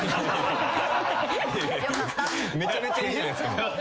めちゃめちゃいいじゃないですか。